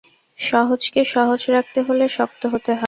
সহজকে সহজ রাখতে হলে শক্ত হতে হয়।